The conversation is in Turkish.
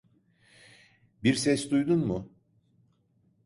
Bir ses duydun mu?